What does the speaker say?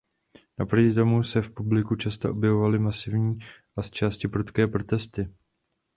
Naproti tomu se v publiku často objevovaly masivní a zčásti prudké protesty.